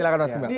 silahkan mas mbak